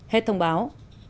hết thông báo